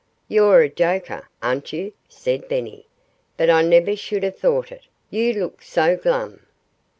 "You're a joker, aren't you?" said Benny. "But I never should have thought it you look so glum."